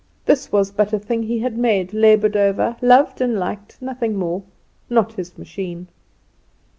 This was but a thing he had made, laboured over, loved and liked nothing more not his machine.